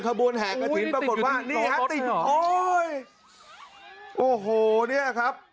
ขบวนแห่กะทินปรากฏว่านี่ครับติดโอ้ยโอ้โหเนี้ยครับ